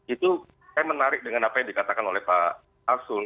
itu saya menarik dengan apa yang dikatakan oleh pak arsul